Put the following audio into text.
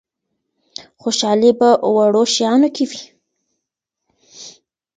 خوشحالي په وړو شیانو کي وي.